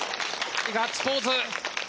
ガッツポーズ！